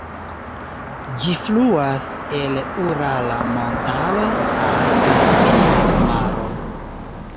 Ĝi fluas el Urala montaro al Kaspia maro.